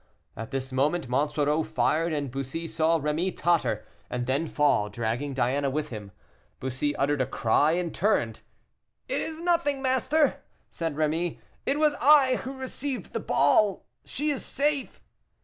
At this moment Monsoreau fired, and Bussy saw Rémy totter, and then fall, dragging Diana with him. Bussy uttered a cry, and turned. "It is nothing, master," said Rémy. "It was I who received the ball. She is safe."